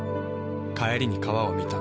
帰りに川を見た。